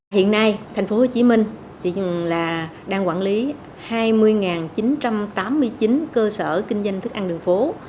hiện nay tp hcm đang quản lý hai mươi chín trăm tám mươi chín cơ sở kinh doanh thức ăn đường phố